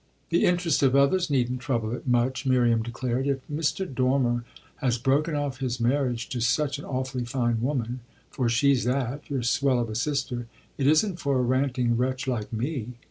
"The interest of others needn't trouble it much!" Miriam declared. "If Mr. Dormer has broken off his marriage to such an awfully fine woman for she's that, your swell of a sister it isn't for a ranting wretch like me.